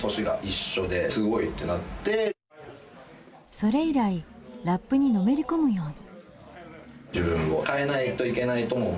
それ以来ラップにのめり込むように。